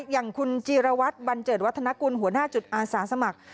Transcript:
อย่างคุณจีรวัตรบันเจิดวัฒนกุลหัวหน้าจุดอาสาสมัคร